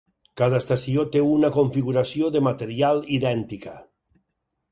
Cada estació té una configuració de material idèntica.